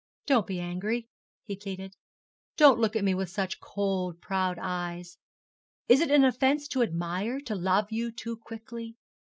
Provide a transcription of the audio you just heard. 'Don't be angry,' he pleaded; 'don't look at me with such cold, proud eyes. Is it an offence to admire, to love you too quickly?